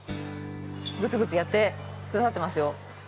グツグツやってくださってますよ。